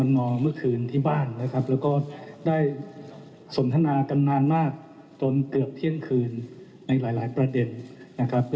แดลนเธอนั้นการหมดบาทการมือและการหมดบาทที่ผู้ที่เคยเป็นประธานจัดผ่านมาก่อน